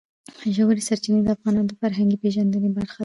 ژورې سرچینې د افغانانو د فرهنګي پیژندنې برخه ده.